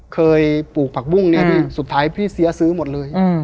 ปลูกผักบุ้งเนี่ยพี่สุดท้ายพี่เสียซื้อหมดเลย